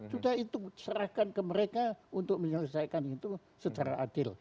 sudah itu serahkan ke mereka untuk menyelesaikan itu secara adil